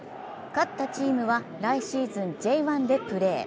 勝ったチームは来シーズン、Ｊ１でプレー。